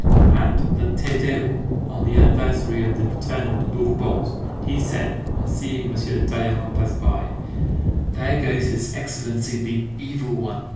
At the Te Deum on the anniversary of the return of the Bourbons, he said, on seeing M. de Talleyrand pass by: "There goes his Excellency the Evil One."